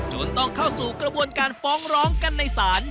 จนต้องเข้าสู่กระบวนการฟ้องร้องกันในศาล